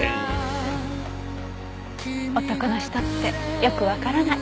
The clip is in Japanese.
男の人ってよくわからない。